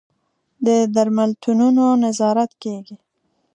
د درملتونونو نظارت کیږي؟